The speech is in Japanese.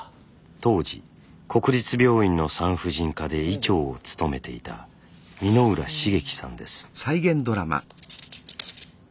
当時国立病院の産婦人科で医長を務めていた箕浦茂樹さんです。